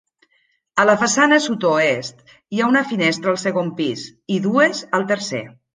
A la façana sud-oest, hi ha una finestra al segon pis, i dues al tercer.